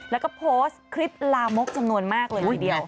แล้วก็โพสต์คลิปลามกจำนวนมากเลยทีเดียว